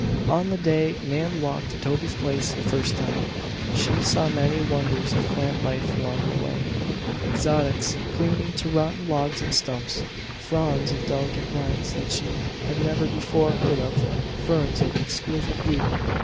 On the day Nan walked to Toby's place the first time, she saw many wonders of plant life along the way, exotics clinging to rotten logs and stumps; fronds of delicate vines that she had never before heard of; ferns of exquisite beauty.